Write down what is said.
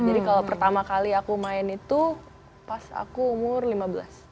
jadi kalau pertama kali aku main itu pas aku umur lima belas